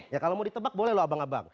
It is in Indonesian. ya kalau mau ditebak boleh loh abang abang